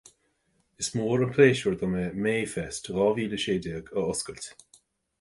Is mór an pléisiúr dom é MayFest dhá mhíle a sé déag a oscailt